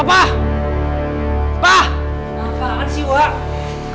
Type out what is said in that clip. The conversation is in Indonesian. apaan sih wak